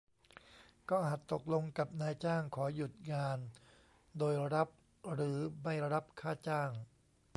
ก็อาจตกลงกับนายจ้างขอหยุดงานโดยรับหรือไม่รับค่าจ้าง